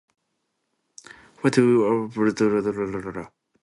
For two years Alpert worked with Richard Lindzen and studied the Indian Monsoon.